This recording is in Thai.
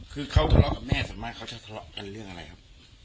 คือเขาทะเลาะกับแม่ส่วนมากเขาจะทะเลาะกันเรื่องอะไรครับ